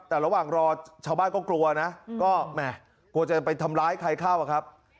แต่ระหว่างรอชาวบ้านก็กลัวนะก็แหมกลัวจะไปทำร้ายใครเข้าอะครับ